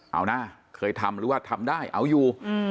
เอานะเคยทำหรือว่าทำได้เอาอยู่